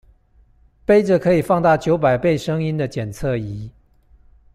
揹著可以放大九百倍聲音的檢測儀